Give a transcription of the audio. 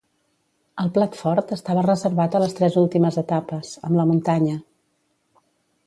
El plat fort estava reservat a les tres últimes etapes, amb la muntanya.